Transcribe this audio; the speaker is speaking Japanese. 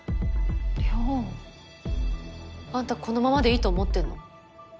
あんたこのままでいいと思ってるの？